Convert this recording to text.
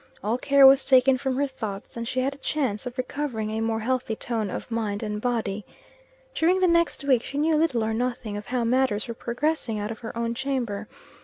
All care was taken from her thoughts, and she had a chance of recovering a more healthy tone of mind and body. During the next week, she knew little or nothing of how matters were progressing out of her own chamber.